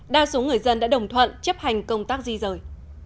đa số người dân đã đồng thuận chấp hành công tác di rời